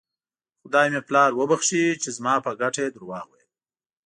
خدای مې پلار وبښي چې زما په ګټه یې درواغ ویل.